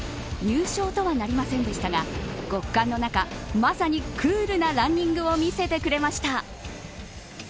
入賞とはなりませんでしたが極寒の中、まさにクールなランニングを見せてくれました。